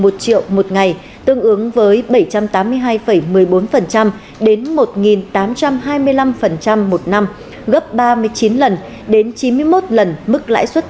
một triệu một ngày tương ứng với bảy trăm tám mươi hai một mươi bốn đến một tám trăm hai mươi năm một năm gấp ba mươi chín lần đến chín mươi một lần mức lãi suất